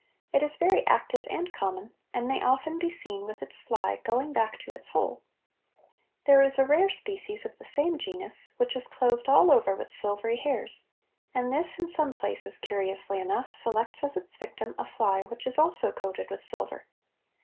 It is very active and common, and may often be seen with its fly going back to its hole. There is a rare species of the same genus, which is clothed all over with silvery hairs, and this in some places, curiously enough, selects as its victim a fly which is also coated with silver.